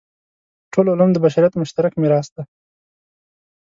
ټول علوم د بشریت مشترک میراث دی.